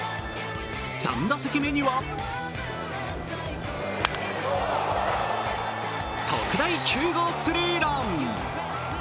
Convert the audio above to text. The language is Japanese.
３打席目には特大９号スリーラン。